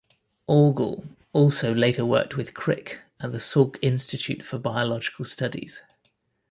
Orgel also later worked with Crick at the Salk Institute for Biological Studies.